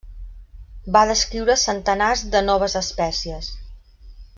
Va descriure centenars de noves espècies.